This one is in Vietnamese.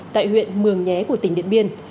tại huyện mường nhé của tỉnh điện biên